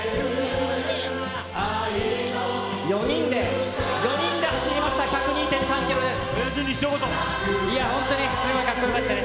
４人で、４人で走りました１０２．３キロです。